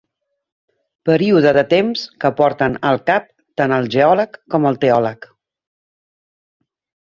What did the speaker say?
Període de temps que porten al cap tant el geòleg com el teòleg.